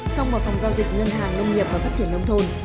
xong vào phòng giao dịch ngân hàng nông nghiệp và phát triển nông thôn